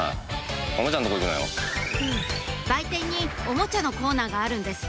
売店にオモチャのコーナーがあるんです